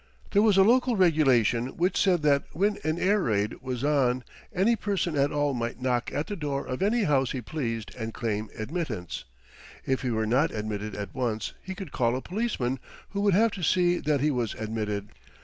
There was a local regulation which said that when an air raid was on any person at all might knock at the door of any house he pleased and claim admittance. If he were not admitted at once he could call a policeman, who would have to see that he was admitted.